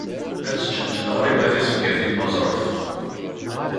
Ad teččenčen ɣriba tizebgatin n uẓref.